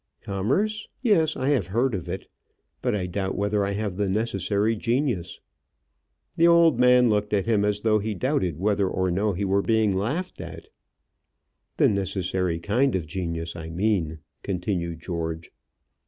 "Commerce. Yes, I have heard of it. But I doubt whether I have the necessary genius." The old man looked at him as though he doubted whether or no he were being laughed at. "The necessary kind of genius, I mean," continued George.